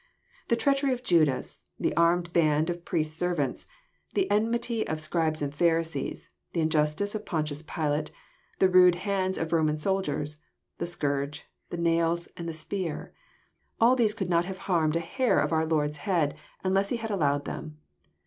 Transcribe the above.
The treachery of Judas, the armed band of priests' servants, the enmity of Scribes and Pharisees, the injustice of Pontius Pilate, the rude hands of Roman soldiers, the scourge, the nails, and the spear, — all these could not have harmed a hair of our Lord's head, unless He had allowed them.